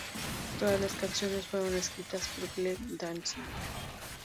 Todas las canciones fueron escritas por Glenn Danzig.